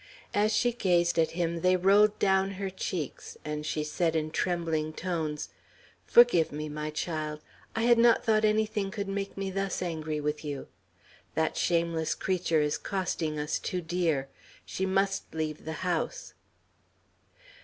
As she gazed at him, they rolled down her cheeks, and she said in trembling tones: "Forgive me, my child; I had not thought anything could make me thus angry with you. That shameless creature is costing us too dear. She must leave the house."